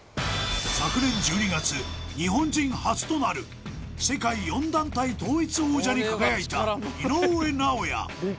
昨年１２月日本人初となる世界４団体統一王者に輝いた井上尚弥